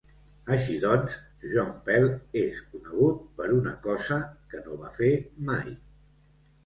Així doncs, John Pell és conegut per una cosa que no va fer mai.